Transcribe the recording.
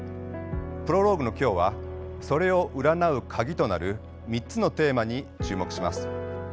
プロローグの今日はそれを占う鍵となる３つのテーマに注目します。